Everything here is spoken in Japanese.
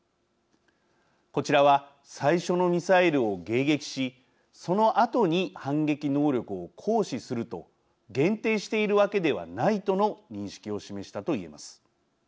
こちらは最初のミサイルを迎撃しそのあとに反撃能力を行使すると限定しているわけではないとの認識を示したと言えます。